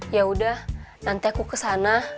ya udah nanti aku ke sana